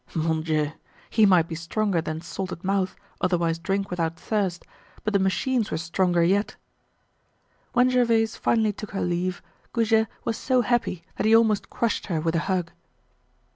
Mon Dieu! He might be stronger than Salted Mouth, otherwise Drink without Thirst, but the machines were stronger yet. When Gervaise finally took her leave, Goujet was so happy that he almost crushed her with a hug.